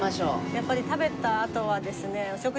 やっぱり食べたあとはですね。